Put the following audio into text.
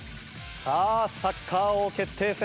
さあサッカー王決定戦。